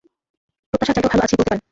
প্রত্যাশার চাইতেও ভালো আছি বলতে পারেন!